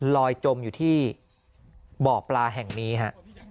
จมอยู่ที่บ่อปลาแห่งนี้ฮะ